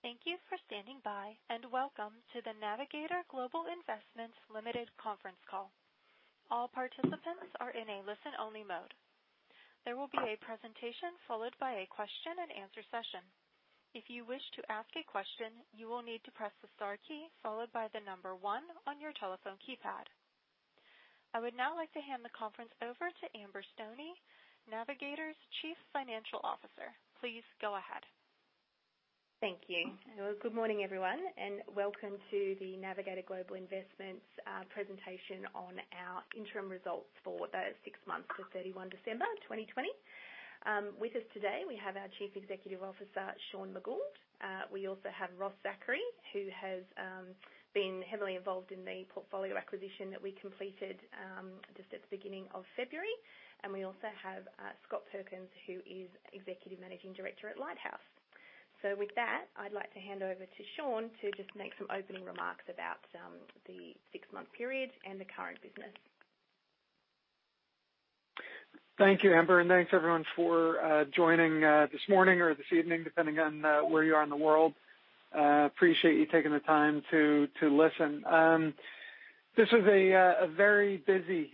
Thank you for standing by, and welcome to the Navigator Global Investments Limited conference call. All participants are in a listen-only mode. There will be a presentation followed by a question and answer session. If you wish to ask a question, you will need to press the star key followed by the number one on your telephone keypad. I would now like to hand the conference over to Amber Stoney, Navigator's Chief Financial Officer. Please go ahead. Thank you. Good morning, everyone, and welcome to the Navigator Global Investments presentation on our interim results for the six months to 31 December 2020. With us today, we have our Chief Executive Officer, Sean McGould. We also have Ross Zachary, who has been heavily involved in the portfolio acquisition that we completed just at the beginning of February. We also have Scott Perkins, who is Executive Managing Director at Lighthouse. With that, I'd like to hand over to Sean to just make some opening remarks about the six-month period and the current business. Thank you, Amber. Thanks, everyone, for joining this morning or this evening, depending on where you are in the world. Appreciate you taking the time to listen. This was a very busy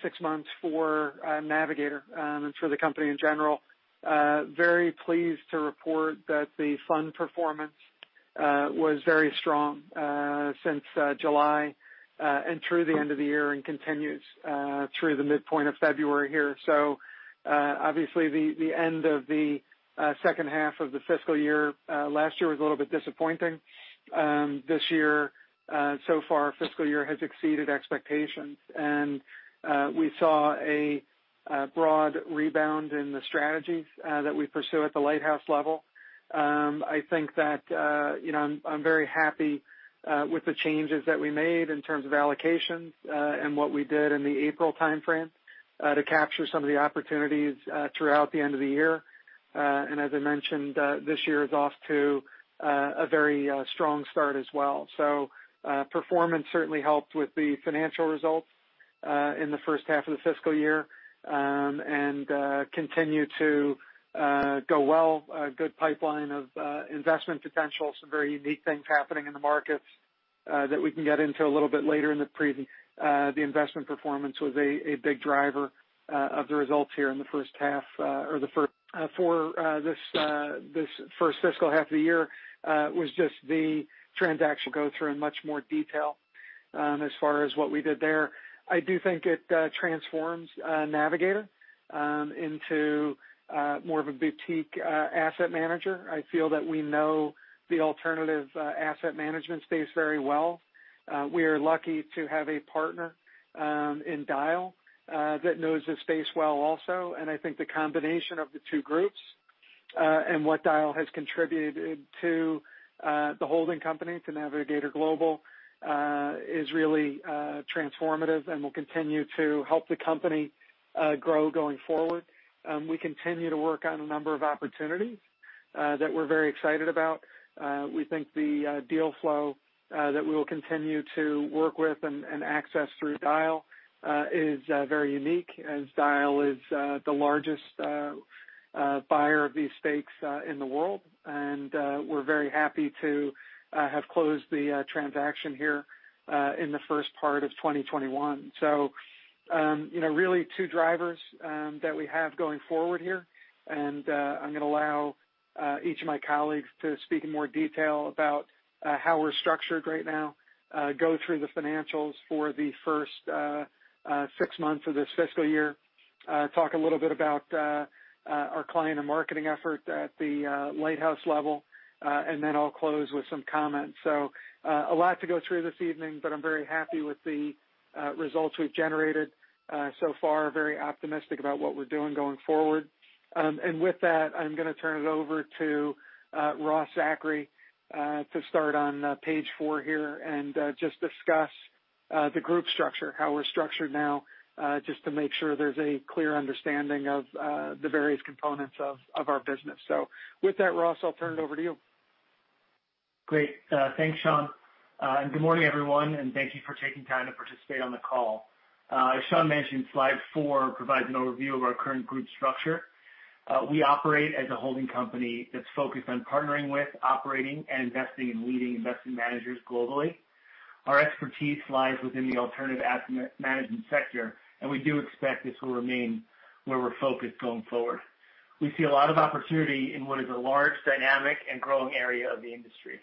six months for Navigator and for the company in general. Very pleased to report that the fund performance was very strong since July and through the end of the year, and continues through the midpoint of February here. Obviously, the end of the second half of the fiscal year last year was a little bit disappointing. This year, so far, fiscal year has exceeded expectations, and we saw a broad rebound in the strategies that we pursue at the Lighthouse level. I'm very happy with the changes that we made in terms of allocations and what we did in the April timeframe to capture some of the opportunities throughout the end of the year. As I mentioned, this year is off to a very strong start as well. Performance certainly helped with the financial results in the first half of the fiscal year, and continue to go well. A good pipeline of investment potential. Some very unique things happening in the markets that we can get into a little bit later in the preview. The investment performance was a big driver of the results here for this first fiscal half of the year was just the transaction go through in much more detail as far as what we did there. I do think it transforms Navigator into more of a boutique asset manager. I feel that we know the alternative asset management space very well. We are lucky to have a partner in Dyal that knows the space well also. I think the combination of the two groups, and what Dyal has contributed to the holding company, to Navigator Global is really transformative and will continue to help the company grow going forward. We continue to work on a number of opportunities that we're very excited about. We think the deal flow that we will continue to work with and access through Dyal is very unique, as Dyal is the largest buyer of these stakes in the world. We're very happy to have closed the transaction here in the first part of 2021. Really two drivers that we have going forward here, and I'm going to allow each of my colleagues to speak in more detail about how we're structured right now, go through the financials for the first six months of this fiscal year, talk a little bit about our client and marketing effort at the Lighthouse level, and then I'll close with some comments. A lot to go through this evening, but I'm very happy with the results we've generated so far. Very optimistic about what we're doing going forward. With that, I'm going to turn it over to Ross Zachary to start on page four here and just discuss the group structure, how we're structured now just to make sure there's a clear understanding of the various components of our business. With that, Ross, I'll turn it over to you. Great. Thanks, Sean. Good morning, everyone, and thank you for taking time to participate on the call. As Sean mentioned, slide four provides an overview of our current group structure. We operate as a holding company that's focused on partnering with, operating, and investing in leading investment managers globally. Our expertise lies within the alternative asset management sector, and we do expect this will remain where we're focused going forward. We see a lot of opportunity in what is a large dynamic and growing area of the industry.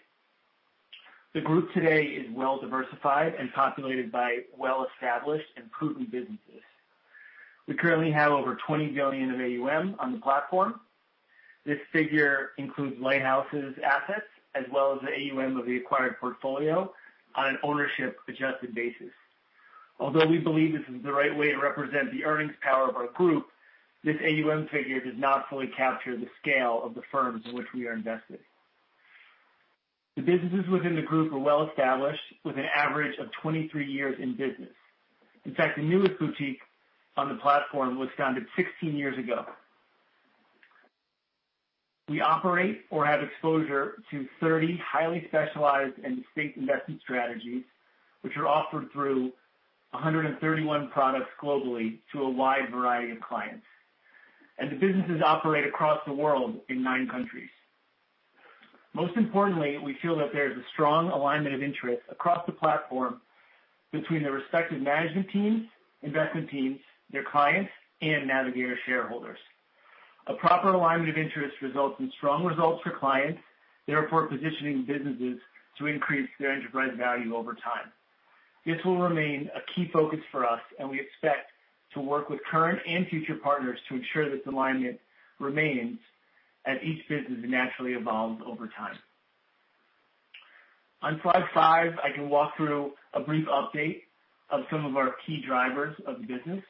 The group today is well-diversified and populated by well-established and prudent businesses. We currently have over $20 billion of AUM on the platform. This figure includes Lighthouse's assets as well as the AUM of the acquired portfolio on an ownership-adjusted basis. Although we believe this is the right way to represent the earnings power of our group, this AUM figure does not fully capture the scale of the firms in which we are invested. The businesses within the group are well-established, with an average of 23 years in business. In fact, the newest boutique on the platform was founded 16 years ago. We operate or have exposure to 30 highly specialized and distinct investment strategies, which are offered through 131 products globally to a wide variety of clients. The businesses operate across the world in nine countries. Most importantly, we feel that there is a strong alignment of interest across the platform between the respective management teams, investment teams, their clients, and Navigator shareholders. A proper alignment of interest results in strong results for clients, therefore positioning businesses to increase their enterprise value over time. This will remain a key focus for us, we expect to work with current and future partners to ensure this alignment remains as each business naturally evolves over time. On slide five, I can walk through a brief update of some of our key drivers of the business.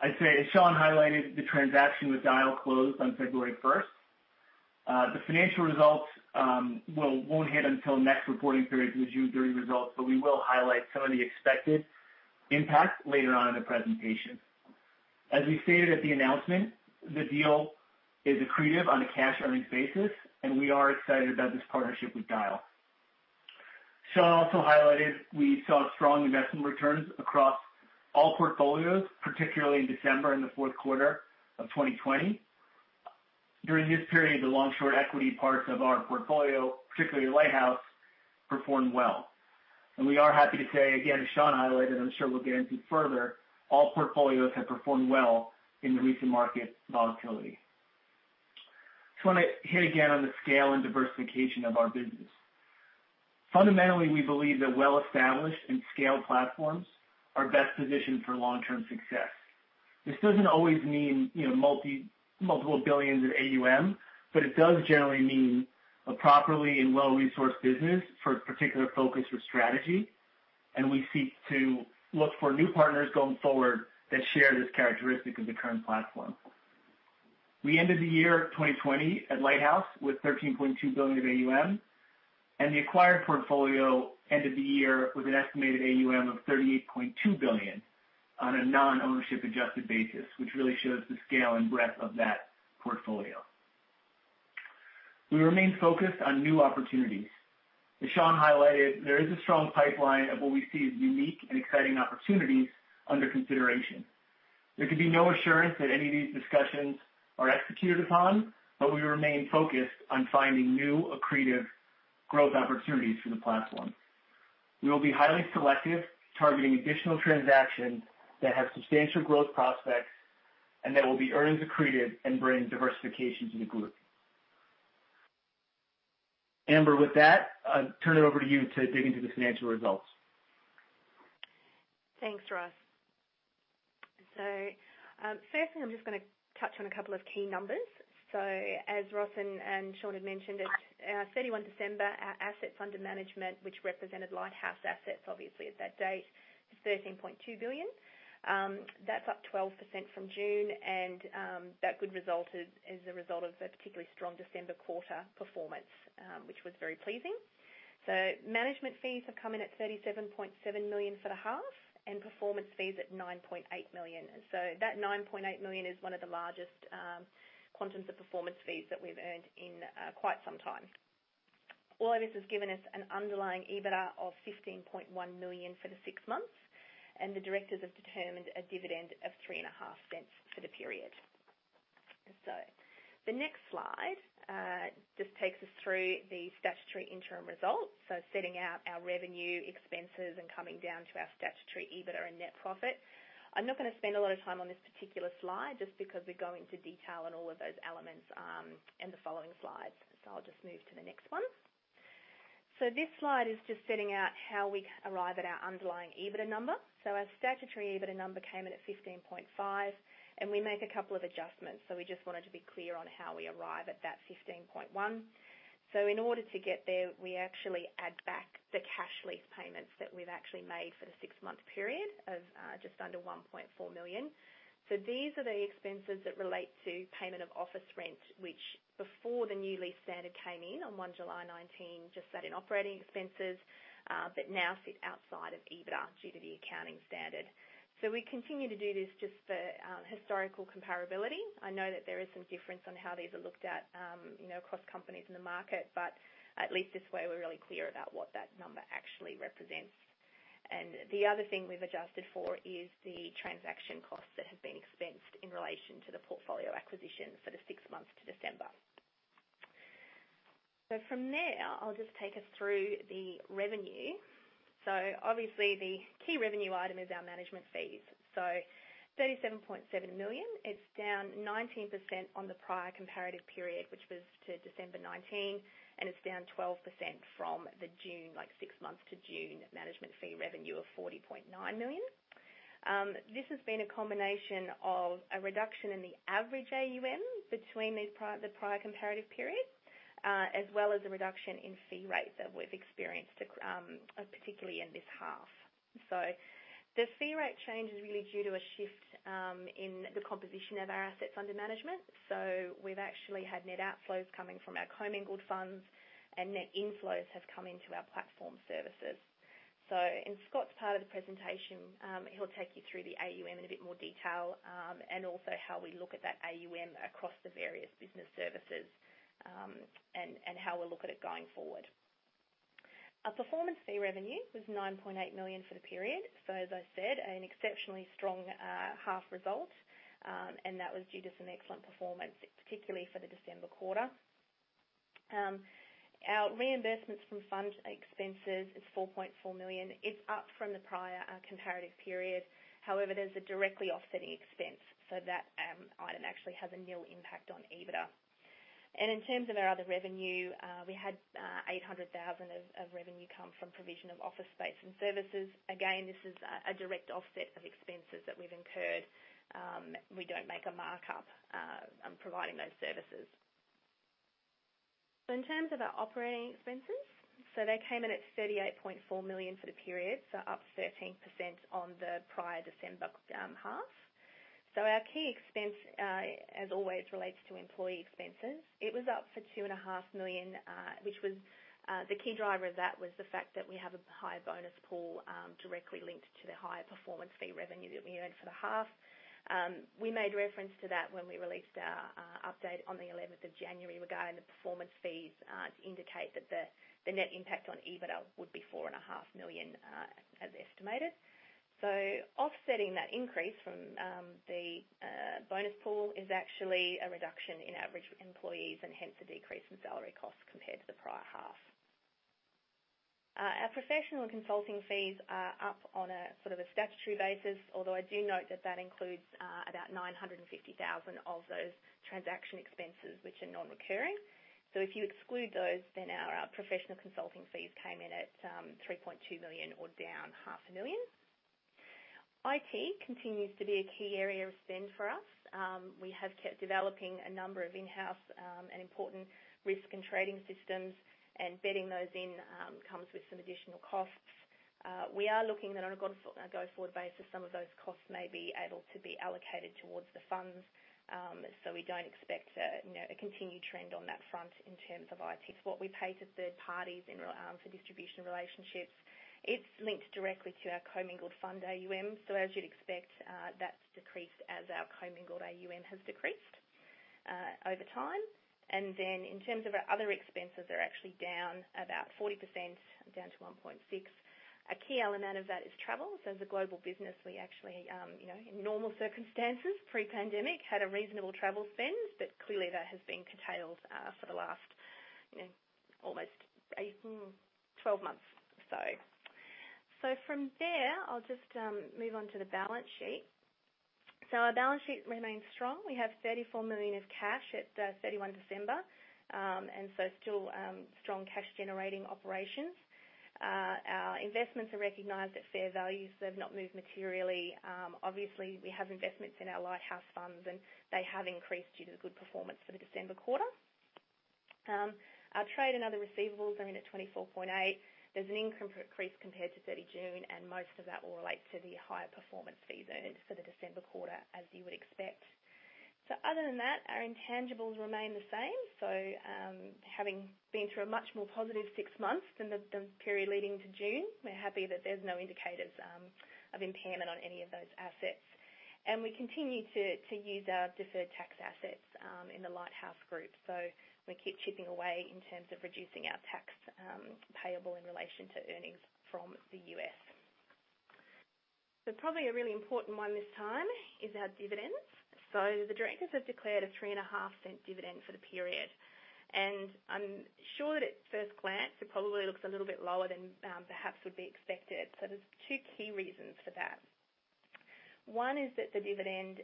I'd say, as Sean highlighted, the transaction with Dyal closed on February 1st. The financial results won't hit until next reporting period, the June quarter results, we will highlight some of the expected impact later on in the presentation. As we stated at the announcement, the deal is accretive on a cash earnings basis, we are excited about this partnership with Dyal. Sean also highlighted we saw strong investment returns across all portfolios, particularly in December, in the fourth quarter of 2020. During this period, the long-short equity parts of our portfolio, particularly Lighthouse, performed well. We are happy to say, again, as Sean highlighted, I'm sure we'll guarantee further, all portfolios have performed well in the recent market volatility. Just want to hit again on the scale and diversification of our business. Fundamentally, we believe that well-established and scaled platforms are best positioned for long-term success. This doesn't always mean multiple billions of AUM, but it does generally mean a properly and well-resourced business for a particular focus or strategy, and we seek to look for new partners going forward that share this characteristic of the current platform. We ended the year 2020 at Lighthouse with $13.2 billion of AUM, and the acquired portfolio ended the year with an estimated AUM of $38.2 billion on a non-ownership adjusted basis, which really shows the scale and breadth of that portfolio. We remain focused on new opportunities. As Sean highlighted, there is a strong pipeline of what we see as unique and exciting opportunities under consideration. There can be no assurance that any of these discussions are executed upon, but we remain focused on finding new accretive growth opportunities for the platform. We will be highly selective, targeting additional transactions that have substantial growth prospects and that will be earnings accretive and bring diversification to the group. Amber, with that, I'll turn it over to you to dig into the financial results. Thanks, Ross. Firstly, I'm just going to touch on a couple of key numbers. As Ross and Sean had mentioned, at 31 December, our assets under management, which represented Lighthouse assets, obviously at that date, was $13.2 billion. That's up 12% from June, and that good result is a result of a particularly strong December quarter performance, which was very pleasing. Management fees have come in at $37.7 million for the half and performance fees at $9.8 million. That $9.8 million is one of the largest quantums of performance fees that we've earned in quite some time. All of this has given us an underlying EBITDA of $15.1 million for the six months, and the directors have determined a dividend of $0.035 for the period. The next slide just takes us through the statutory interim results, setting out our revenue expenses and coming down to our statutory EBIT and net profit. I'm not going to spend a lot of time on this particular slide just because we go into detail on all of those elements in the following slides. I'll just move to the next one. This slide is just setting out how we arrive at our underlying EBITDA number. Our statutory EBITDA number came in at $15.5, and we make a couple of adjustments. We just wanted to be clear on how we arrive at that $15.1. In order to get there, we actually add back the cash lease payments that we've actually made for the six-month period of just under $1.4 million. These are the expenses that relate to payment of office rent, which before the new lease standard came in on 1 July 2019, just sat in operating expenses, but now sit outside of EBITDA due to the accounting standard. We continue to do this just for historical comparability. I know that there is some difference on how these are looked at across companies in the market, but at least this way we're really clear about what that number actually represents. The other thing we've adjusted for is the transaction costs that have been expensed in relation to the portfolio acquisition for the six months to December. From there, I'll just take us through the revenue. Obviously the key revenue item is our management fees. $37.7 million, it's down 19% on the prior comparative period, which was to December 2019, it's down 12% from the June, like six months to June management fee revenue of $40.9 million. This has been a combination of a reduction in the average AUM between the prior comparative periods, as well as a reduction in fee rates that we've experienced, particularly in this half. The fee rate change is really due to a shift in the composition of our assets under management. We've actually had net outflows coming from our commingled funds and net inflows have come into our platform services. In Scott's part of the presentation, he'll take you through the AUM in a bit more detail and also how we look at that AUM across the various business services and how we'll look at it going forward. Our performance fee revenue was 9.8 million for the period. As I said, an exceptionally strong half result, and that was due to some excellent performance, particularly for the December quarter. Our reimbursements from fund expenses is 4.4 million. It's up from the prior comparative period. However, there's a directly offsetting expense, so that item actually has a nil impact on EBITDA. In terms of our other revenue, we had 800,000 of revenue come from provision of office space and services. Again, this is a direct offset of expenses that we've incurred. We don't make a markup on providing those services. In terms of our operating expenses, they came in at $38.4 million for the period, up 13% on the prior December half. Our key expense, as always, relates to employee expenses. It was up for $2.5 Million. The key driver of that was the fact that we have a higher bonus pool, directly linked to the higher performance fee revenue that we earned for the half. We made reference to that when we released our update on the 11th of January regarding the performance fees to indicate that the net impact on EBITDA would be $4.5 Million, as estimated. Offsetting that increase from the bonus pool is actually a reduction in average employees and hence a decrease in salary costs compared to the prior half. Our professional consulting fees are up on a statutory basis, although I do note that that includes about $950,000 of those transaction expenses, which are non-recurring. If you exclude those, then our professional consulting fees came in at $3.2 million or down half a million. IT continues to be a key area of spend for us. We have kept developing a number of in-house and important risk and trading systems, and bedding those in comes with some additional costs. We are looking on a go-forward basis, some of those costs may be able to be allocated towards the funds. We don't expect a continued trend on that front in terms of IT. What we pay to third parties for distribution relationships, it's linked directly to our commingled fund AUM. As you'd expect, that's decreased as our commingled AUM has decreased over time. In terms of our other expenses, they're actually down about 40%, down to $1.6. A key element of that is travel. As a global business, we actually, in normal circumstances, pre-pandemic, had a reasonable travel spend, but clearly that has been curtailed for the last almost 12 months or so. From there, I'll just move on to the balance sheet. Our balance sheet remains strong. We have $34 million of cash at 31 December, still strong cash-generating operations. Our investments are recognized at fair value, they've not moved materially. Obviously, we have investments in our Lighthouse funds, they have increased due to the good performance for the December quarter. Our trade and other receivables are in at $24.8. There's an increase compared to 30 June, and most of that will relate to the higher performance fee earnings for the December quarter, as you would expect. Other than that, our intangibles remain the same. Having been through a much more positive six months than the period leading to June, we're happy that there's no indicators of impairment on any of those assets. We continue to use our deferred tax assets in the Lighthouse Group. We keep chipping away in terms of reducing our tax payable in relation to earnings from the U.S. Probably a really important one this time is our dividends. The directors have declared a $0.035 dividend for the period, and I'm sure that at first glance, it probably looks a little bit lower than perhaps would be expected. There's two key reasons for that. One is that the dividend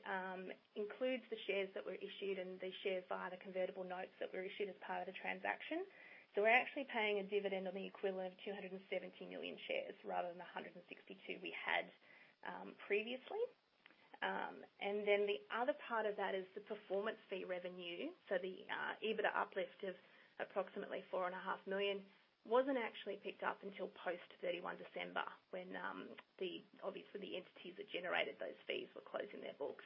includes the shares that were issued and the shares via the convertible notes that were issued as part of the transaction. We're actually paying a dividend on the equivalent of 270 million shares rather than 162 we had previously. The other part of that is the performance fee revenue. The EBITDA uplift of approximately $4.5 million wasn't actually picked up until post 31 December when obviously the entities that generated those fees were closing their books.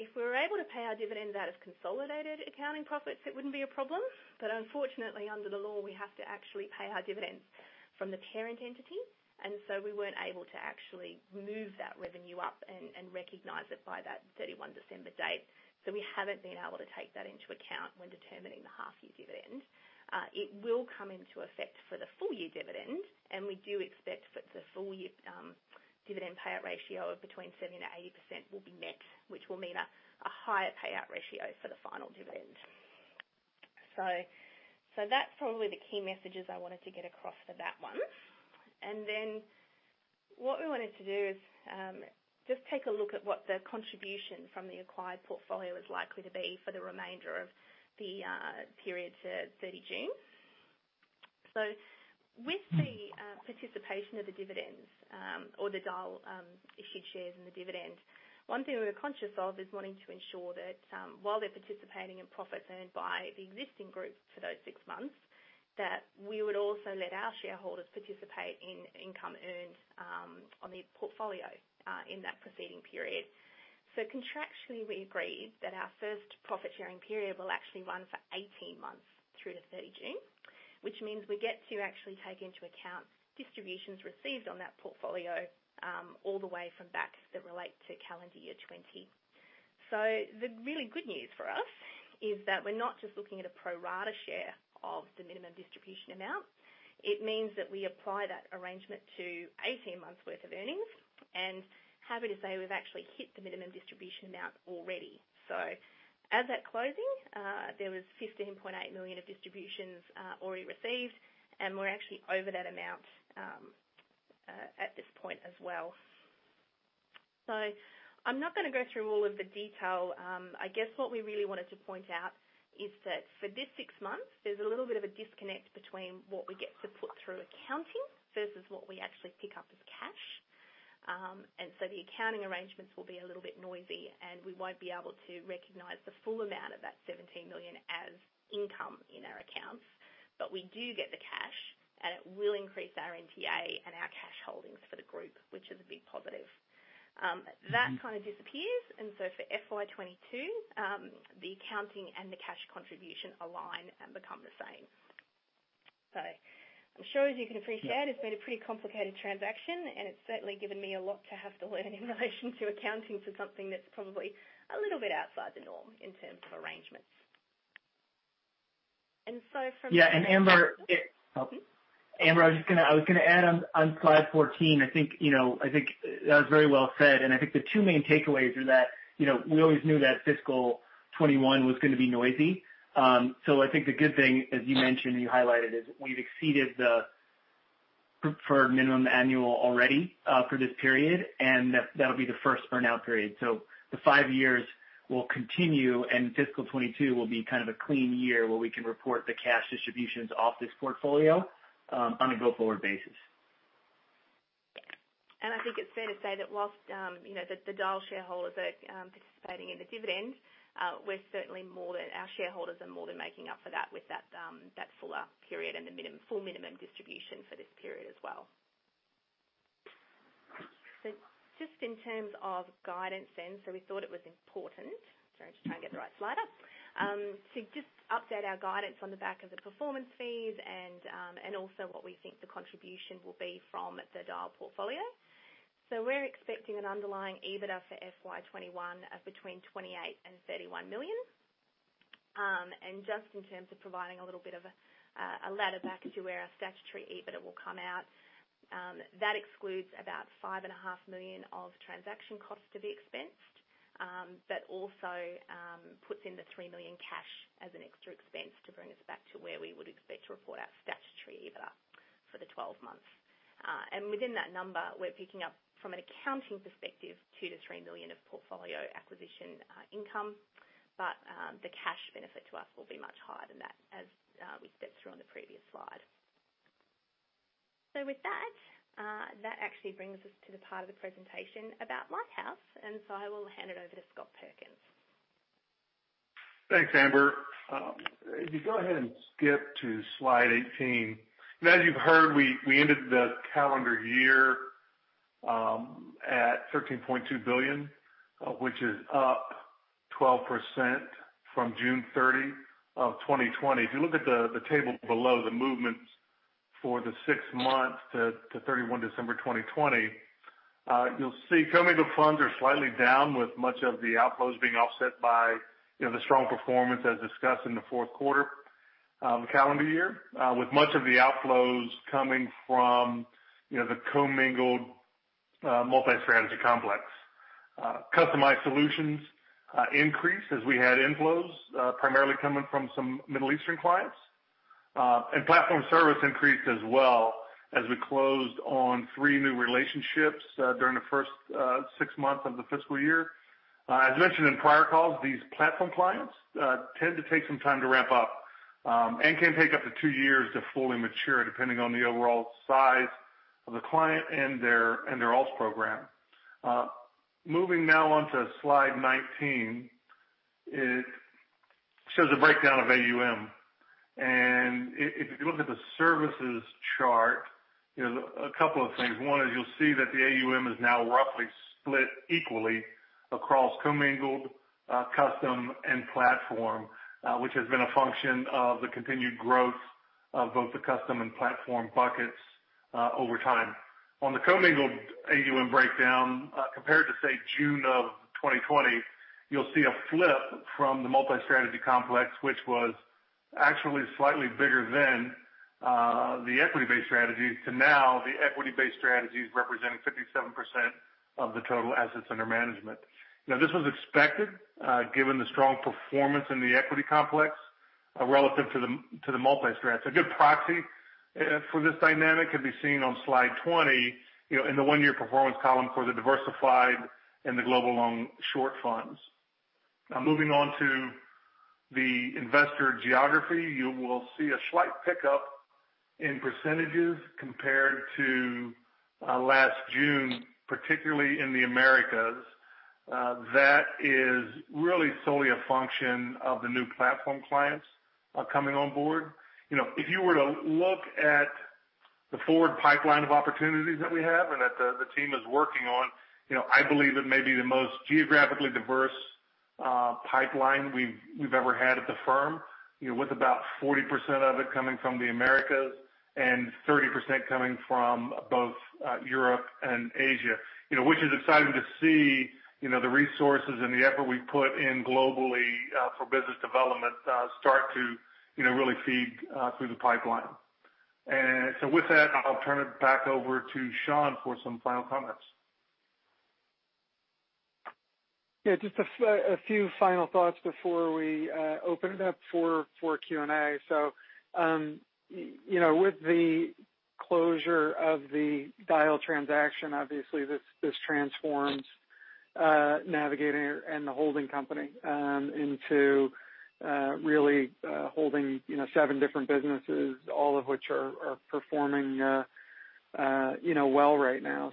If we were able to pay our dividend out of consolidated accounting profits, it wouldn't be a problem. Unfortunately, under the law, we have to actually pay our dividends from the parent entity, and so we weren't able to actually move that revenue up and recognize it by that 31 December date. We haven't been able to take that into account when determining the half year dividend. It will come into effect for the full year dividend, and we do expect that the full year dividend payout ratio of between 70%-80% will be met, which will mean a higher payout ratio for the final dividend. That's probably the key messages I wanted to get across for that one. What we wanted to do is just take a look at what the contribution from the acquired portfolio is likely to be for the remainder of the period to 30 June. With the participation of the dividends or the Dyal issued shares in the dividend, one thing we were conscious of is wanting to ensure that while they're participating in profits earned by the existing group for those six months, that we would also let our shareholders participate in income earned on the portfolio in that proceeding period. Contractually, we agreed that our first profit-sharing period will actually run for 18 months through to 30 June, which means we get to actually take into account distributions received on that portfolio all the way from back that relate to calendar year 2020. The really good news for us is that we're not just looking at a pro rata share of the minimum distribution amount. It means that we apply that arrangement to 18 months' worth of earnings. Happy to say, we've actually hit the minimum distribution amount already. As at closing, there was $15.8 million of distributions already received, and we're actually over that amount at this point as well. I'm not going to go through all of the detail. I guess what we really wanted to point out is that for this six months, there's a little bit of a disconnect between what we get to put through accounting versus what we actually pick up as cash. The accounting arrangements will be a little bit noisy, and we won't be able to recognize the full amount of that $17 million as income in our accounts. We do get the cash, and it will increase our NTA and our cash holdings for the group, which is a big positive. That kind of disappears. For FY 2022, the accounting and the cash contribution align and become the same. I'm sure as you can appreciate. Yeah it's been a pretty complicated transaction, and it's certainly given me a lot to have to learn in relation to accounting for something that's probably a little bit outside the norm in terms of arrangements. Yeah. Amber, I was going to add on slide 14, I think that was very well said. I think the two main takeaways are that, we always knew that fiscal 2021 was going to be noisy. I think the good thing, as you mentioned and you highlighted, is we've exceeded the preferred minimum annual already for this period, and that'll be the first earn-out period. The five years will continue, and fiscal 2022 will be kind of a clean year where we can report the cash distributions off this portfolio on a go-forward basis. I think it's fair to say that whilst the Dyal shareholders are participating in the dividends, our shareholders are more than making up for that with that fuller period and the full minimum distribution for this period as well. Just in terms of guidance then, we thought it was important to just update our guidance on the back of the performance fees and also what we think the contribution will be from the Dyal portfolio. We're expecting an underlying EBITDA for FY 2021 of between $28 million and $31 million. Just in terms of providing a little bit of a ladder back to where our statutory EBITDA will come out, that excludes about $5.5 million of transaction costs to be expensed. Also puts in the $3 million cash as an extra expense to bring us back to where we would expect to report our statutory EBITDA for the 12 months. Within that number, we're picking up, from an accounting perspective, $2 million-$3 million of portfolio acquisition income. The cash benefit to us will be much higher than that as we stepped through on the previous slide. With that actually brings us to the part of the presentation about Lighthouse, I will hand it over to Scott Perkins. Thanks, Amber. Skip to slide 18. As you've heard, we ended the calendar year at $13.2 billion, which is up 12% from June 30 of 2020. If you look at the table below, the movements for the six months to 31 December 2020, you'll see commingled funds are slightly down, with much of the outflows being offset by the strong performance as discussed in the fourth quarter of the calendar year, with much of the outflows coming from the commingled multi-strategy complex. Customized solutions increased as we had inflows, primarily coming from some Middle Eastern clients. Platform service increased as well as we closed on three new relationships during the first six months of the fiscal year. As mentioned in prior calls, these platform clients tend to take some time to ramp up, and can take up to two years to fully mature, depending on the overall size of the client and their ALTS program. Moving now on to slide 19, it shows a breakdown of AUM. If you look at the services chart, a couple of things. One is you'll see that the AUM is now roughly split equally across commingled, custom, and platform, which has been a function of the continued growth of both the custom and platform buckets over time. On the commingled AUM breakdown, compared to, say, June of 2020, you'll see a flip from the multi-strategy complex, which was actually slightly bigger then, the equity-based strategies, to now the equity-based strategies representing 57% of the total assets under management. This was expected, given the strong performance in the equity complex relative to the multi-strat. A good proxy for this dynamic can be seen on slide 20 in the one-year performance column for the diversified and the global long short funds. Moving on to the investor geography. You will see a slight pickup in % compared to last June, particularly in the Americas. That is really solely a function of the new platform clients coming on board. The forward pipeline of opportunities that we have and that the team is working on, I believe it may be the most geographically diverse pipeline we've ever had at the firm. With about 40% of it coming from the Americas and 30% coming from both Europe and Asia. Which is exciting to see the resources and the effort we put in globally for business development start to really feed through the pipeline. With that, I'll turn it back over to Sean for some final comments. Yeah, just a few final thoughts before we open it up for Q&A. With the closure of the Dyal transaction, obviously this transforms Navigator Global and the holding company into really holding seven different businesses, all of which are performing well right now.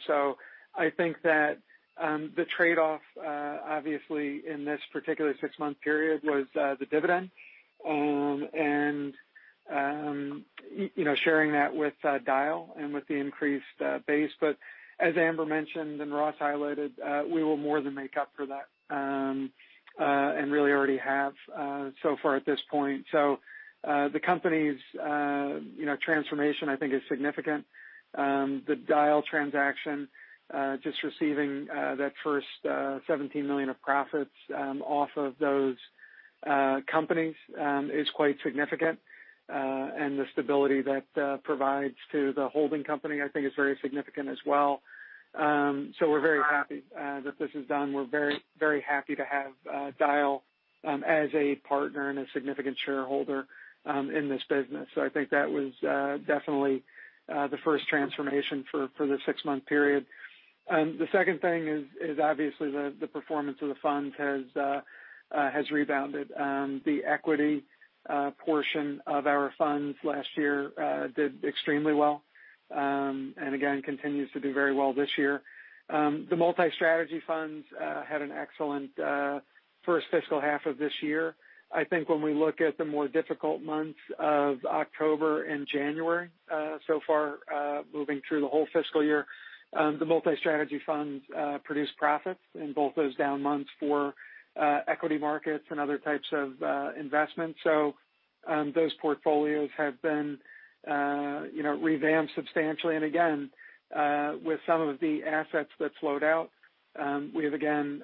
I think that the trade-off, obviously, in this particular six-month period was the dividend. Sharing that with Dyal and with the increased base. As Amber mentioned, and Ross highlighted, we will more than make up for that, and really already have so far at this point. The company's transformation, I think, is significant. The Dyal transaction, just receiving that first $17 million of profits off of those companies is quite significant. The stability that provides to the holding company, I think, is very significant as well. We're very happy that this is done. We're very happy to have Dyal as a partner and a significant shareholder in this business. I think that was definitely the first transformation for the six-month period. The second thing is obviously the performance of the fund has rebounded. The equity portion of our funds last year did extremely well. Again, continues to do very well this year. The multi-strategy funds had an excellent first fiscal half of this year. I think when we look at the more difficult months of October and January so far moving through the whole fiscal year, the multi-strategy funds produced profits in both those down months for equity markets and other types of investments. Those portfolios have been revamped substantially. Again, with some of the assets that flowed out, we have again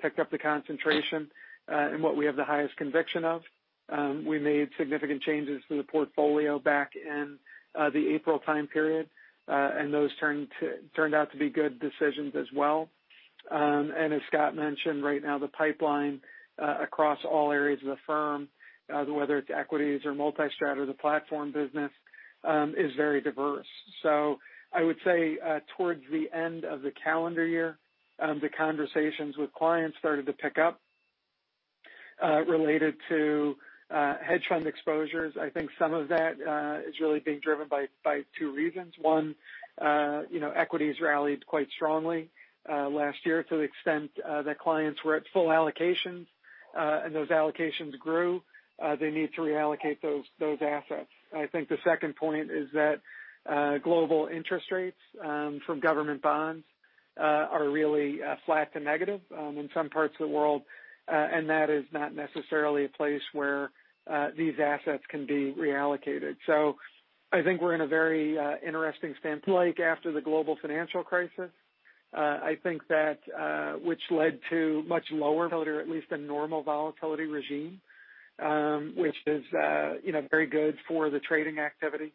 picked up the concentration in what we have the highest conviction of. We made significant changes to the portfolio back in the April time period. Those turned out to be good decisions as well. As Scott mentioned, right now the pipeline across all areas of the firm, whether it's equities or multi-strat or the platform business, is very diverse. I would say towards the end of the calendar year, the conversations with clients started to pick up related to hedge fund exposures. I think some of that is really being driven by two reasons. One, equities rallied quite strongly last year to the extent that clients were at full allocations. Those allocations grew. They need to reallocate those assets. I think the second point is that global interest rates from government bonds are really flat to negative in some parts of the world. That is not necessarily a place where these assets can be reallocated. I think we're in a very interesting stance like after the global financial crisis. I think that which led to much lower volatility or at least a normal volatility regime, which is very good for the trading activity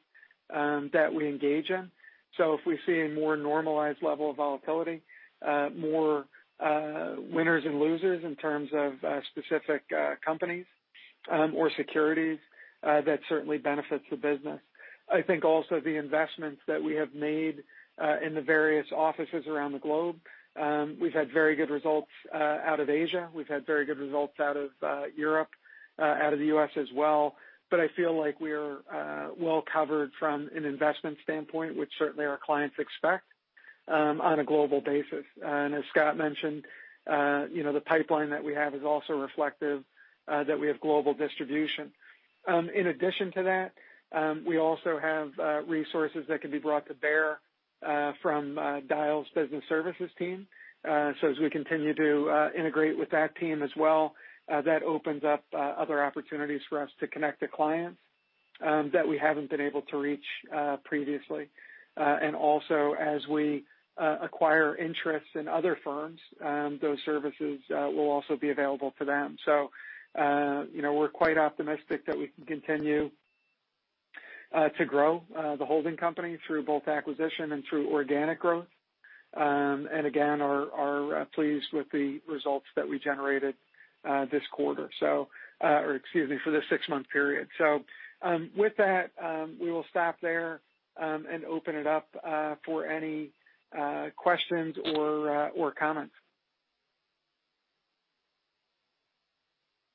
that we engage in. If we see a more normalized level of volatility, more winners and losers in terms of specific companies or securities, that certainly benefits the business. I think also the investments that we have made in the various offices around the globe, we've had very good results out of Asia. We've had very good results out of Europe, out of the U.S. as well. I feel like we're well covered from an investment standpoint, which certainly our clients expect on a global basis. As Scott mentioned, the pipeline that we have is also reflective that we have global distribution. In addition to that, we also have resources that can be brought to bear from Dyal's business services team. As we continue to integrate with that team as well, that opens up other opportunities for us to connect to clients that we haven't been able to reach previously. Also as we acquire interests in other firms, those services will also be available for them. We're quite optimistic that we can continue to grow the holding company through both acquisition and through organic growth. Again, are pleased with the results that we generated this quarter. Or excuse me, for this six-month period. With that, we will stop there, and open it up for any questions or comments.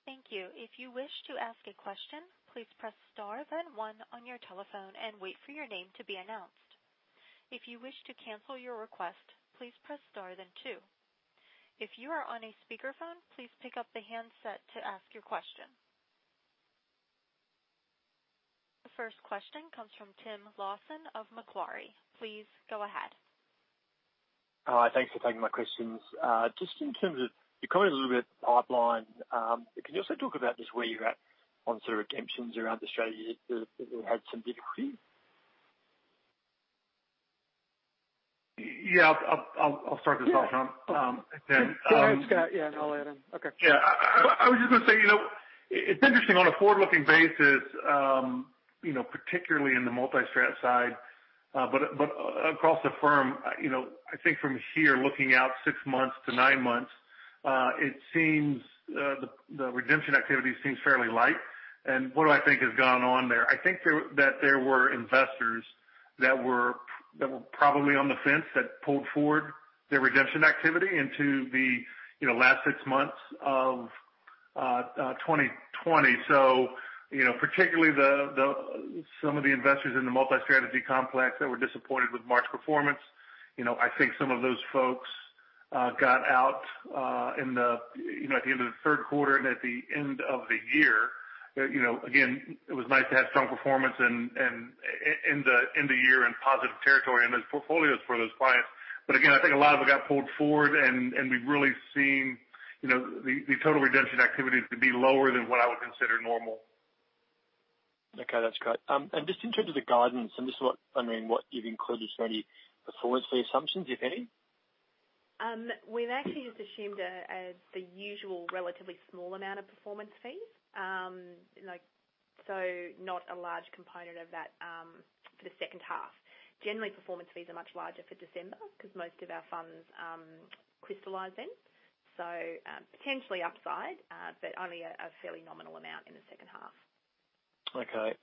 Thank you. If you wish to ask a question, please press star then one on your telephone and wait for your name to be announced. If you wish to cancel your request, please press star then two. If you are on a speakerphone, please pick up the handset to ask your question. The first question comes from Tim Lawson of Macquarie. Please go ahead. Hi. Thanks for taking my questions. Just in terms of you covering a little bit pipeline, can you also talk about just where you're at on some redemptions around Australia that have had some difficulty? Yeah. I'll start this off. Go ahead, Scott. Yeah, I'll add in. Okay. I was just going to say, it's interesting on a forward-looking basis, particularly in the multi-strat side, but across the firm, I think from here looking out 6 months to 9 months, the redemption activity seems fairly light. What do I think has gone on there? I think that there were investors that were probably on the fence that pulled forward their redemption activity into the last six months of 2020. Particularly some of the investors in the multi-strategy complex that were disappointed with March performance. I think some of those folks got out at the end of the third quarter and at the end of the year. Again, it was nice to have strong performance and end of year in positive territory and those portfolios for those clients. Again, I think a lot of it got pulled forward and we've really seen the total redemption activities to be lower than what I would consider normal. Okay. That's great. Just in terms of the guidance and just what you've included, so any performance fee assumptions, if any? We've actually just assumed the usual relatively small amount of performance fees. Not a large component of that for the second half. Generally, performance fees are much larger for December because most of our funds crystallize then. Potentially upside, but only a fairly nominal amount in the second half. Okay.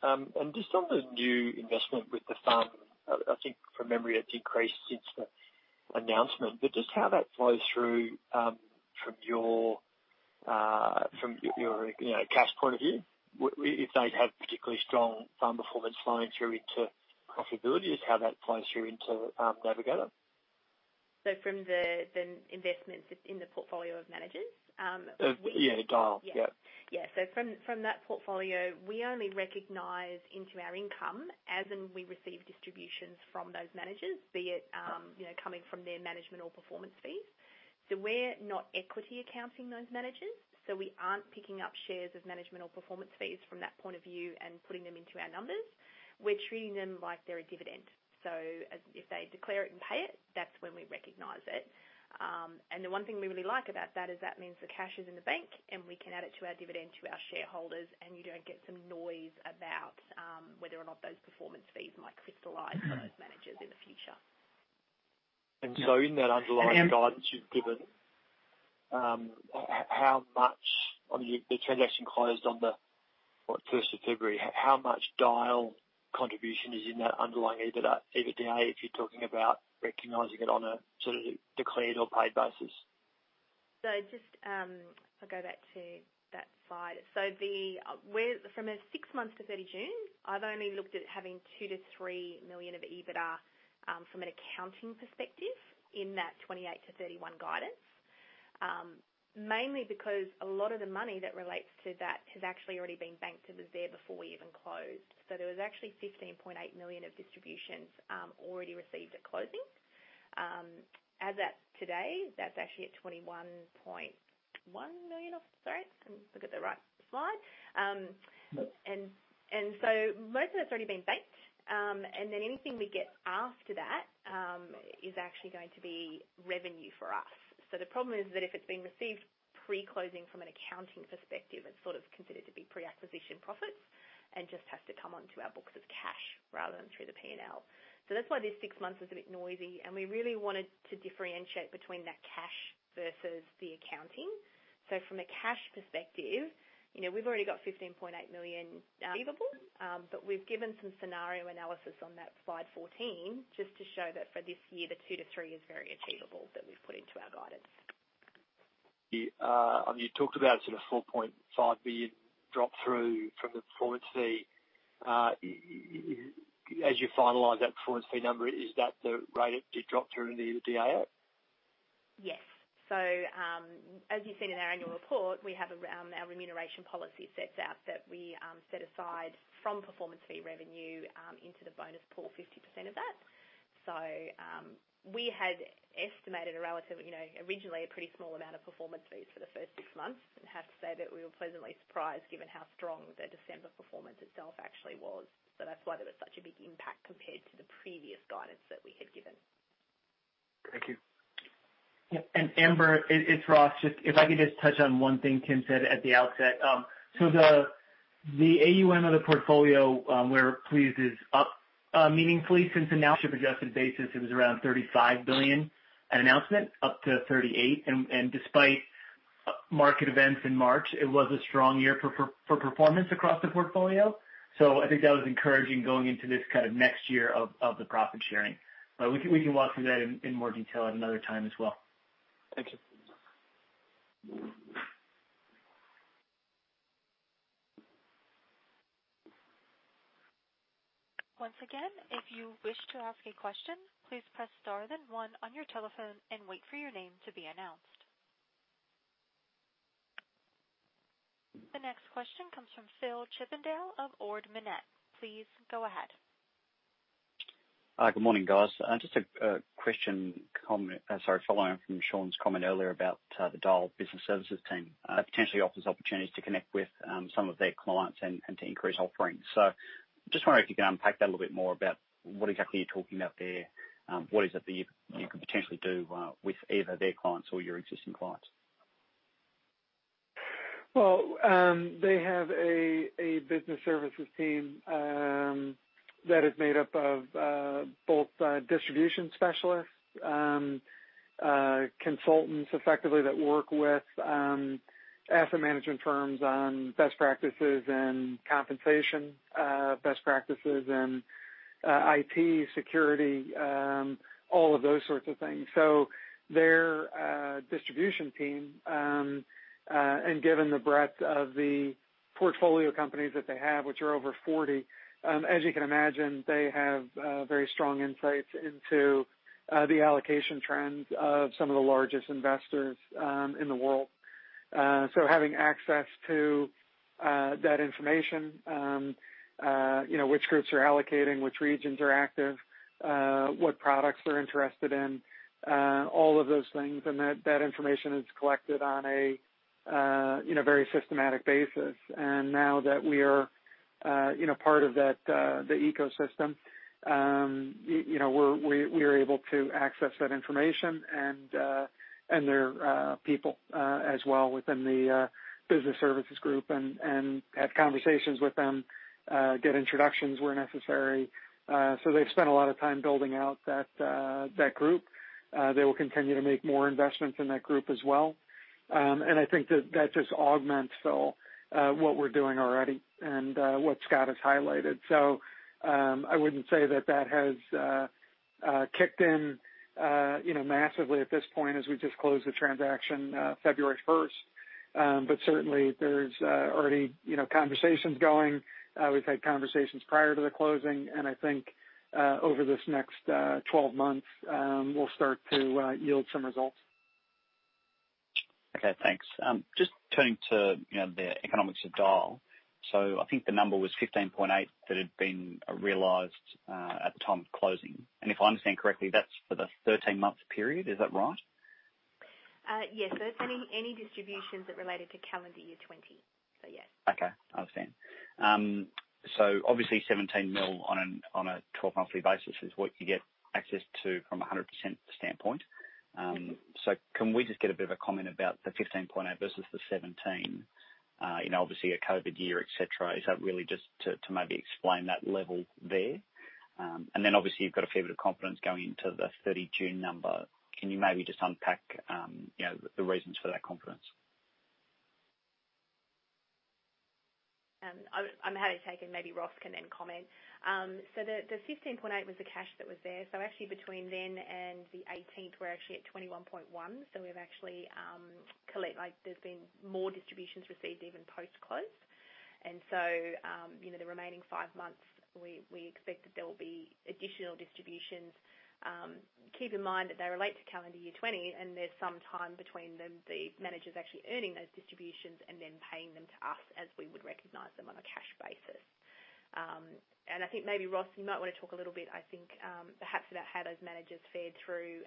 Just on the new investment with the fund, I think from memory it decreased since the announcement. Just how that flows through from your cash point of view, if they have particularly strong fund performance flowing through into profitability, just how that flows through into Navigator. From the investments in the portfolio of managers. Yeah, Dyal. Yep. Yeah. From that portfolio, we only recognize into our income as and we receive distributions from those managers, be it coming from their management or performance fees. We're not equity accounting those managers. We aren't picking up shares of management or performance fees from that point of view and putting them into our numbers. We're treating them like they're a dividend. If they declare it and pay it, that's when we recognize it. The one thing we really like about that is that means the cash is in the bank, and we can add it to our dividend to our shareholders, and you don't get some noise about whether or not those performance fees might crystallize for those managers in the future. In that underlying guidance you've given, the transaction closed on the first of February. How much Dyal contribution is in that underlying EBITDA if you're talking about recognizing it on a declared or paid basis? Just, I'll go back to that slide. From a six months to 30 June, I've only looked at having $2 million-$3 million of EBITDA, from an accounting perspective in that $28 million-$31 million guidance. Mainly because a lot of the money that relates to that has actually already been banked. It was there before we even closed. There was actually $15.8 million of distributions already received at closing. As at today, that's actually at $21.1 million. Sorry, let me look at the right slide. Most of that's already been banked. Then anything we get after that is actually going to be revenue for us. The problem is that if it's been received pre-closing from an accounting perspective, it's sort of considered to be pre-acquisition profits and just has to come onto our books as cash rather than through the P&L. That's why this six months is a bit noisy, and we really wanted to differentiate between that cash versus the accounting. From a cash perspective, we've already got $15.8 million receivable, but we've given some scenario analysis on that slide 14 just to show that for this year, the two to three is very achievable that we've put into our guidance. You talked about sort of $4.5 billion drop through from the performance fee. As you finalize that performance fee number, is that the rate it did drop through into the DA8? Yes. As you've seen in our annual report, our remuneration policy sets out that we set aside from performance fee revenue into the bonus pool, 50% of that. We had estimated a relatively, originally a pretty small amount of performance fees for the first six months, and have to say that we were pleasantly surprised given how strong the December performance itself actually was. That's why there was such a big impact compared to the previous guidance that we had given. Thank you. Yeah. Amber, it's Ross. If I could just touch on one thing Tim said at the outset. The AUM of the portfolio, where it pleases up meaningfully since announcement adjusted basis, it was around $35 billion at announcement up to $38. Despite market events in March, it was a strong year for performance across the portfolio. We can walk through that in more detail at another time as well. Thank you. Once again, if you wish to ask a question, please press star then one on your telephone and wait for your name to be announced. The next question comes from Phil Chippendale of Ord Minnett. Please go ahead. Hi, good morning, guys. Just a question, sorry, follow-on from Sean's comment earlier about the Dyal Business Services team. It potentially offers opportunities to connect with some of their clients and to increase offerings. Just wondering if you can unpack that a little bit more about what exactly you're talking about there. What is it that you can potentially do with either their clients or your existing clients? They have a business services team that is made up of both distribution specialists, consultants, effectively, that work with asset management firms on best practices and compensation best practices and IT security, all of those sorts of things. Their distribution team, and given the breadth of the portfolio companies that they have, which are over 40, as you can imagine, they have very strong insights into the allocation trends of some of the largest investors in the world. Having access to that information, which groups are allocating, which regions are active, what products we're interested in, all of those things, and that information is collected on a very systematic basis. Now that we are part of the ecosystem, we are able to access that information and their people as well within the business services group and have conversations with them, get introductions where necessary. They've spent a lot of time building out that group. They will continue to make more investments in that group as well. I think that just augments what we're doing already and what Scott has highlighted. I wouldn't say that has kicked in massively at this point as we just closed the transaction February 1st. Certainly there's already conversations going. We've had conversations prior to the closing, and I think over this next 12 months, we'll start to yield some results. Okay, thanks. Just turning to the economics of Dyal. I think the number was $15.8 that had been realized at the time of closing. If I understand correctly, that's for the 13 months period. Is that right? Yes. It's any distributions that related to calendar year 2020. Yes. Okay, understand. Obviously $17 million on a 12-monthly basis is what you get access to from 100% standpoint. Can we just get a bit of a comment about the $15.8 versus the $17, obviously a COVID year, et cetera, is that really just to maybe explain that level there? Obviously you've got a fair bit of confidence going into the 30 June number. Can you maybe just unpack the reasons for that confidence? I'm happy to take it, and maybe Ross can then comment. The $15.8 was the cash that was there. Actually between then and the 18th, we're actually at $21.1. There's been more distributions received even post-close. The remaining five months, we expect that there will be additional distributions. Keep in mind that they relate to calendar year 2020, and there's some time between the managers actually earning those distributions and then paying them to us as we would recognize them on a cash basis. I think maybe, Ross, you might want to talk a little bit, perhaps about how those managers fared through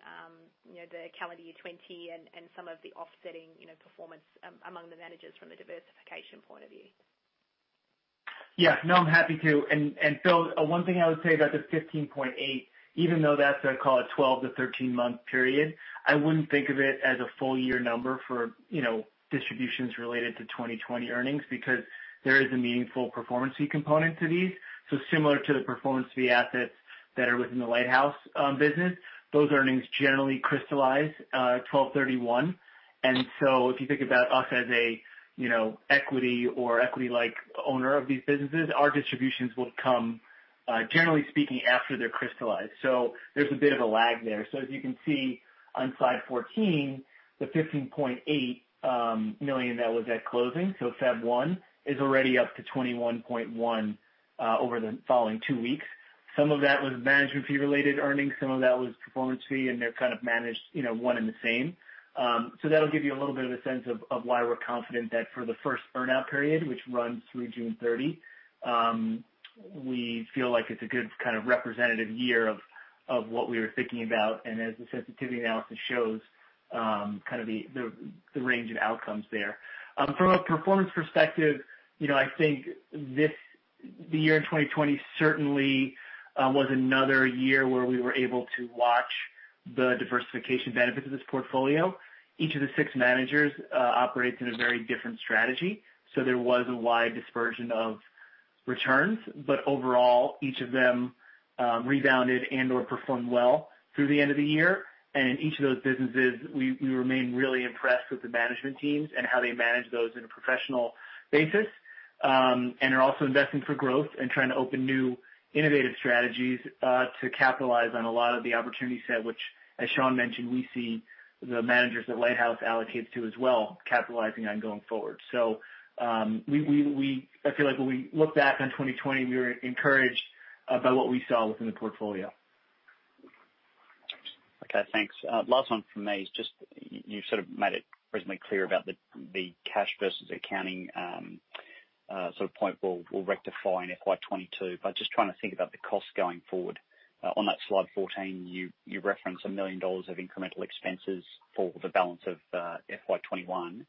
the calendar year 2020 and some of the offsetting performance among the managers from a diversification point of view. Yeah. No, I'm happy to. Phil, one thing I would say about the $15.8, even though that's, I call it 12-13 month period, I wouldn't think of it as a full year number for distributions related to 2020 earnings because there is a meaningful performance fee component to these. Similar to the performance fee assets that are within the Lighthouse business, those earnings generally crystallize 12/31. If you think about us as a equity or equity-like owner of these businesses, our distributions will come, generally speaking, after they're crystallized. There's a bit of a lag there. As you can see on slide 14, the $15.8 million that was at closing, February 1, is already up to $21.1 over the following two weeks. Some of that was management fee-related earnings, some of that was performance fee, and they're kind of managed one and the same. That'll give you a little bit of a sense of why we're confident that for the first earn-out period, which runs through June 30, we feel like it's a good kind of representative year of what we were thinking about. As the sensitivity analysis shows, kind of the range of outcomes there. From a performance perspective, I think the year 2020 certainly was another year where we were able to watch the diversification benefits of this portfolio. Each of the six managers operates in a very different strategy. There was a wide dispersion of returns. Overall, each of them rebounded and/or performed well through the end of the year. Each of those businesses, we remain really impressed with the management teams and how they manage those in a professional basis. Are also investing for growth and trying to open new innovative strategies to capitalize on a lot of the opportunity set, which, as Sean mentioned, we see the managers that Lighthouse allocates to as well, capitalizing on going forward. I feel like when we look back on 2020, we were encouraged by what we saw within the portfolio. Okay, thanks. Last one from me is just you've sort of made it reasonably clear about the cash versus accounting point we'll rectify in FY 2022, but just trying to think about the cost going forward. On that slide 14, you reference $1 million of incremental expenses for the balance of FY 2021.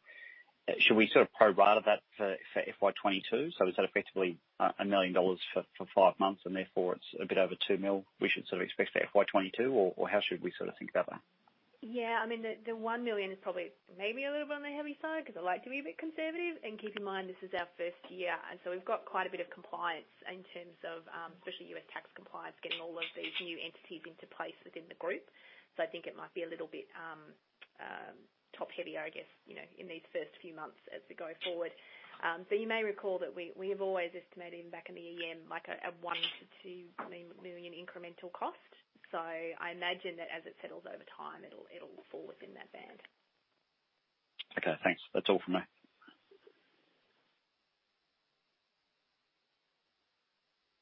Should we sort of pro rata that for FY 2022? Is that effectively $1 million for five months and therefore it's a bit over $2 million we should sort of expect for FY 2022? How should we think about that? The $1 million is probably maybe a little bit on the heavy side because I like to be a bit conservative. Keep in mind, this is our first year, and so we've got quite a bit of compliance in terms of especially U.S. tax compliance, getting all of these new entities into place within the group. I think it might be a little bit top-heavier, I guess, in these first few months as we go forward. You may recall that we have always estimated back in the EM like a $1 million-$2 million incremental cost. I imagine that as it settles over time, it'll fall within that band. Okay, thanks. That's all from me.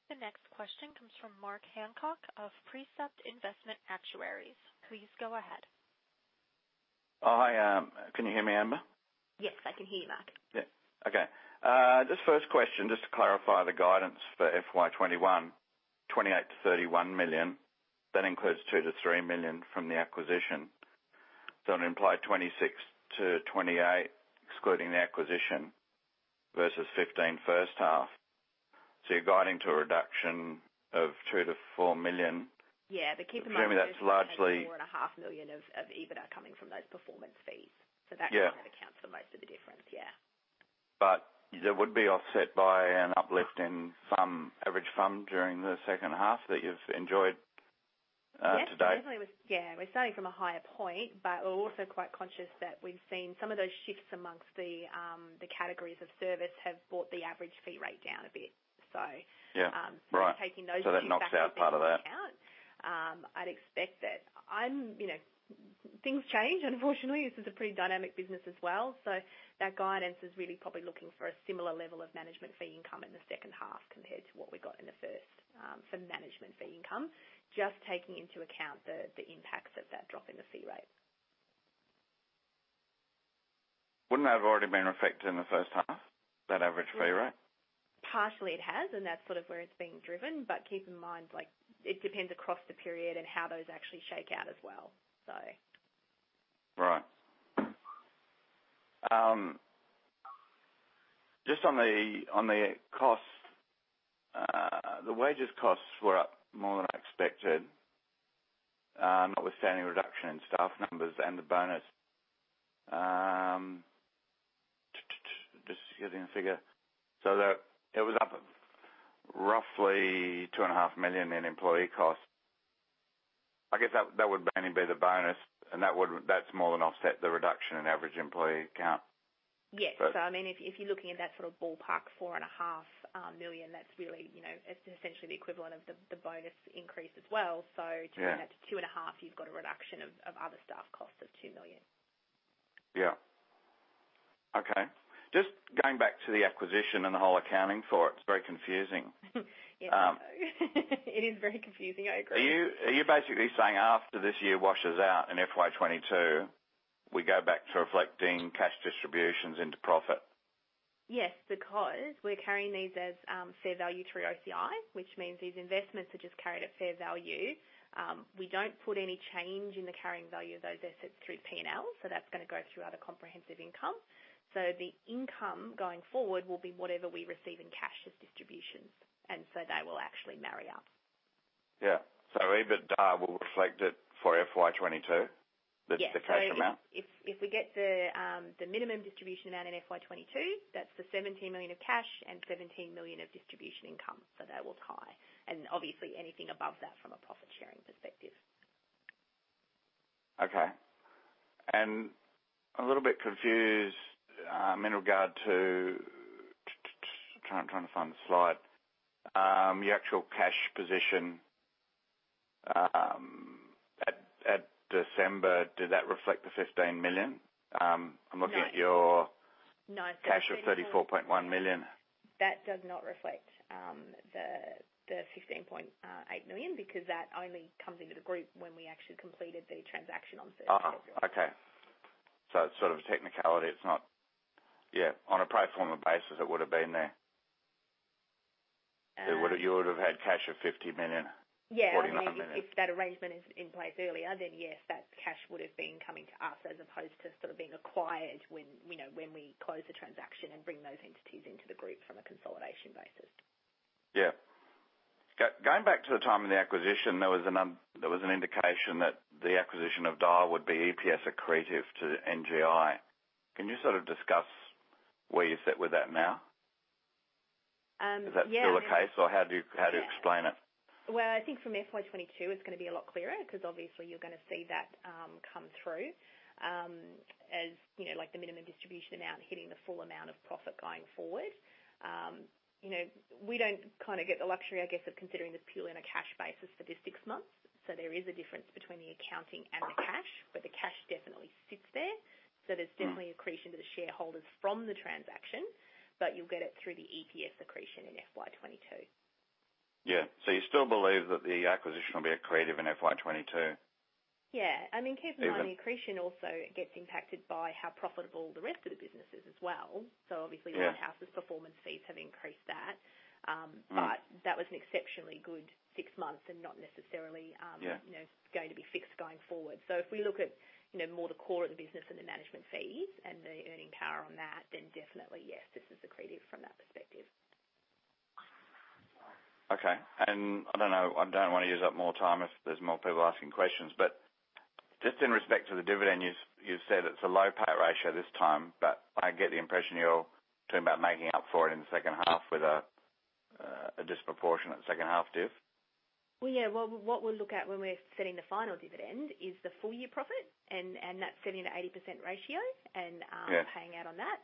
The next question comes from Mark Hancock of Precept Investment Actuaries. Please go ahead. Hi, can you hear me, Amber? Yes, I can hear you, Mark. Yeah. Okay. Just first question, just to clarify the guidance for FY21, $28 million-$31 million. That includes $2 million-$3 million from the acquisition. It implied $26 million-$28 million, excluding the acquisition, versus $15 million first half. You're guiding to a reduction of $2 million-$4 million. Yeah. keep in mind- Assuming that's largely- $4.5 million of EBITDA coming from those performance fees. Yeah. That kind of accounts for most of the difference. Yeah. That would be offset by an uplift in some average FUM during the second half that you've enjoyed to date. Yeah. Definitely. Yeah. We're starting from a higher point, but we're also quite conscious that we've seen some of those shifts amongst the categories of service have brought the average fee rate down a bit. Yeah. Right. taking those into- That knocks out part of that. account, I'd expect that Things change, unfortunately. This is a pretty dynamic business as well. That guidance is really probably looking for a similar level of management fee income in the second half compared to what we got in the first, for management fee income, just taking into account the impacts of that drop in the fee rate. Wouldn't that have already been reflected in the first half, that average fee rate? Partially it has. That's sort of where it's being driven. Keep in mind, it depends across the period and how those actually shake out as well. Right. Just on the costs, the wages costs were up more than I expected, notwithstanding a reduction in staff numbers and the bonus. Just getting the figure. That it was up roughly $2.5 million in employee costs. I guess that would mainly be the bonus, and that's more than offset the reduction in average employee count. Yes. If you're looking at that sort of ballpark four and a half million, that's really, essentially the equivalent of the bonus increase as well. Yeah turning that to two and a half, you've got a reduction of other staff costs of $2 million. Yeah. Okay. Just going back to the acquisition and the whole accounting for it's very confusing. Yeah, I know. It is very confusing. I agree. Are you basically saying after this year washes out in FY 2022, we go back to reflecting cash distributions into profit? Because we're carrying these as fair value through OCI, which means these investments are just carried at fair value. We don't put any change in the carrying value of those assets through P&L. That's going to go through other comprehensive income. The income going forward will be whatever we receive in cash as distributions, and so they will actually marry up. Yeah. EBITDA will reflect it for FY 2022? Yes. The cash amount. If we get the minimum distribution amount in FY 2022, that's the $17 million of cash and $17 million of distribution income. That will tie. Obviously anything above that from a profit-sharing perspective. Okay. I'm a little bit confused in regard to I'm trying to find the slide. The actual cash position at December, did that reflect the $15 million? No. I'm looking at your- No cash of $34.1 million. That does not reflect the $15.8 million because that only comes into the group when we actually completed the transaction on 34th of August. Okay. It's sort of a technicality. It's not Yeah. On a pro forma basis, it would've been there. Uh- You would've had cash of $50 million. Yeah. $49 million. If that arrangement is in place earlier, then yes, that cash would've been coming to us as opposed to sort of being acquired when we close the transaction and bring those entities into the group from a consolidation basis. Going back to the time of the acquisition, there was an indication that the acquisition of Dyal would be EPS accretive to NGI. Can you sort of discuss where you sit with that now? Yeah. Is that still the case, or how do you explain it? I think from FY22, it's going to be a lot clearer because obviously you're going to see that come through as the minimum distribution amount hitting the full amount of profit going forward. We don't get the luxury, I guess, of considering this purely on a cash basis for this six months. There is a difference between the accounting and the cash, where the cash sits there. There's definitely accretion to the shareholders from the transaction, but you'll get it through the EPS accretion in FY22. Yeah. You still believe that the acquisition will be accretive in FY 2022? Yeah. Keep in mind, accretion also gets impacted by how profitable the rest of the business is as well. Yeah Lighthouse's performance fees have increased that. That was an exceptionally good six months and not necessarily- Yeah going to be fixed going forward. If we look at more the core of the business and the management fees and the earning power on that, then definitely yes, this is accretive from that perspective. Okay. I don't know, I don't want to use up more time if there's more people asking questions, but just in respect to the dividend, you've said it's a low payout ratio this time, but I get the impression you're talking about making up for it in the second half with a disproportionate second half div? Well, yeah. What we'll look at when we're setting the final dividend is the full year profit, and that 70%-80% ratio- Yeah and paying out on that.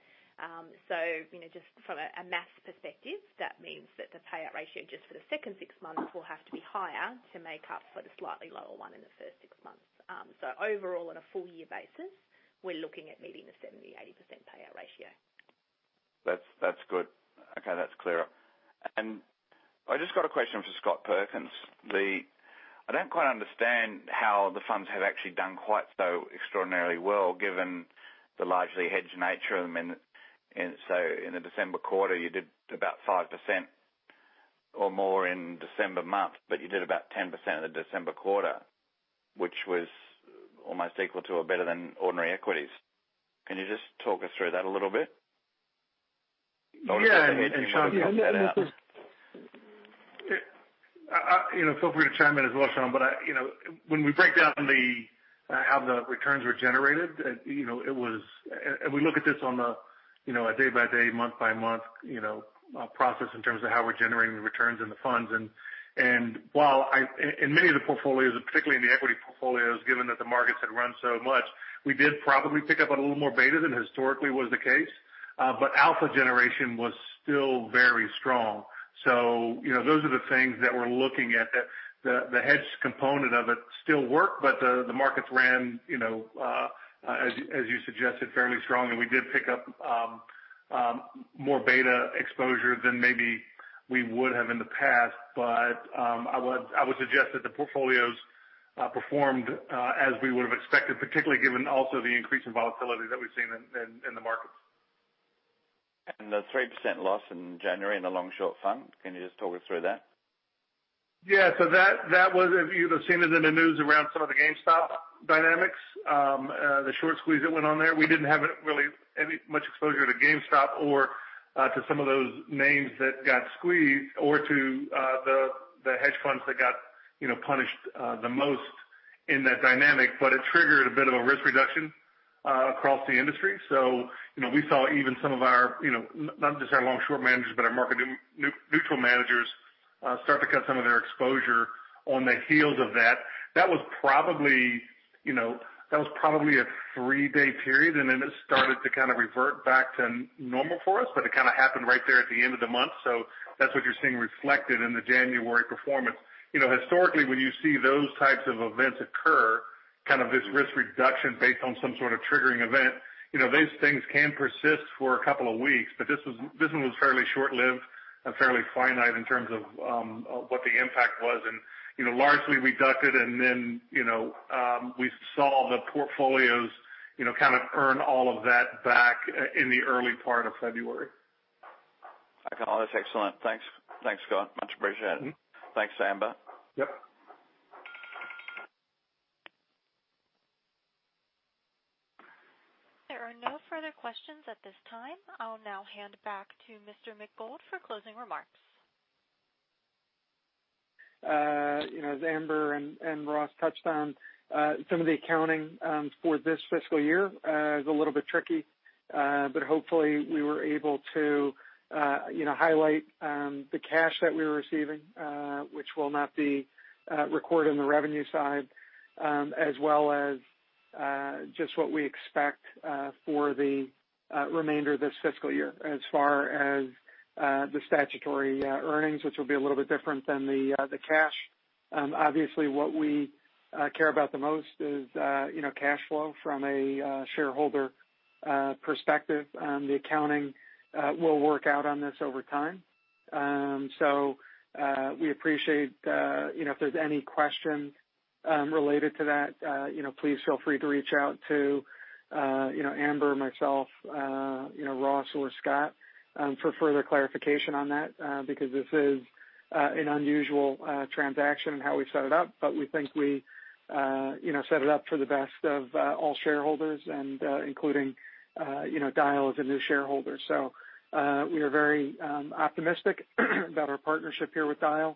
Just from a math perspective, that means that the payout ratio just for the second six months will have to be higher to make up for the slightly lower one in the first six months. Overall, on a full year basis, we're looking at meeting the 70%-80% payout ratio. That's good. Okay. That's clearer. I just got a question for Scott Perkins. I don't quite understand how the funds have actually done quite so extraordinarily well, given the largely hedged nature of them. In the December quarter, you did about 5% or more in December month, but you did about 10% in the December quarter, which was almost equal to or better than ordinary equities. Can you just talk us through that a little bit? Yeah. Sean, feel free to chime in as well, Sean, but when we break down how the returns were generated, and we look at this on a day by day, month by month process in terms of how we're generating the returns in the funds. While in many of the portfolios, and particularly in the equity portfolios, given that the markets had run so much, we did probably pick up a little more beta than historically was the case. Alpha generation was still very strong. Those are the things that we're looking at, that the hedged component of it still worked, but the markets ran, as you suggested, fairly strong. We did pick up more beta exposure than maybe we would have in the past. I would suggest that the portfolios performed as we would've expected, particularly given also the increase in volatility that we've seen in the markets. The 3% loss in January in the long-short fund, can you just talk us through that? Yeah. That was, you'd have seen it in the news around some of the GameStop dynamics, the short squeeze that went on there. We didn't have really much exposure to GameStop or to some of those names that got squeezed or to the hedge funds that got punished the most in that dynamic. It triggered a bit of a risk reduction across the industry. We saw even some of our, not just our long-short managers, but our market neutral managers start to cut some of their exposure on the heels of that. That was probably a three-day period, and then it started to revert back to normal for us, but it happened right there at the end of the month. That's what you're seeing reflected in the January performance. Historically, when you see those types of events occur, this risk reduction based on some sort of triggering event, these things can persist for a couple of days weeks. This one was fairly short-lived and fairly finite in terms of what the impact was, and largely we ducked it and then, we saw the portfolios earn all of that back in the early part of February. Okay. No, that's excellent. Thanks, Scott, much appreciated. Thanks, Amber. Yep. There are no further questions at this time. I'll now hand back to Mr. McGould for closing remarks. Amber and Ross touched on, some of the accounting for this fiscal year is a little bit tricky. Hopefully we were able to highlight the cash that we were receiving, which will not be recorded on the revenue side, as well as just what we expect for the remainder of this fiscal year as far as the statutory earnings, which will be a little bit different than the cash. Obviously, what we care about the most is cash flow from a shareholder perspective. The accounting will work out on this over time. We appreciate if there's any questions related to that, please feel free to reach out to Amber, myself, Ross or Scott for further clarification on that, because this is an unusual transaction in how we set it up. We think we set it up for the best of all shareholders and including Dyal as a new shareholder. We are very optimistic about our partnership here with Dyal and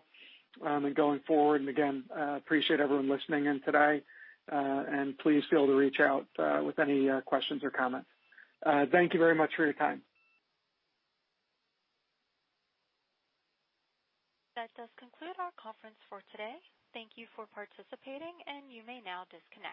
going forward. Again, appreciate everyone listening in today. Please feel to reach out with any questions or comments. Thank you very much for your time. That does conclude our conference for today. Thank you for participating, and you may now disconnect.